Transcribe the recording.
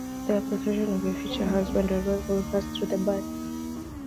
The apparition of your future husband or wife will pass through the barn.